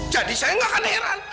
jadi saya tidak akan heran